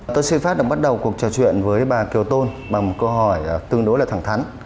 tôi xin phép được bắt đầu cuộc trò chuyện với bà kiều tôn bằng câu hỏi tương đối là thẳng thắn